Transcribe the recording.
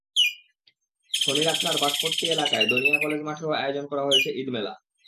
শনির আখড়ার বাঁশপট্টি এলাকায় দনিয়া কলেজ মাঠেও আয়োজন করা হয়েছে ঈদমেলা।